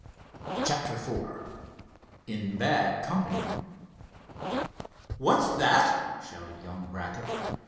CHAPTER IV IN BAD COMPANY "What's that?" shouted young Brackett.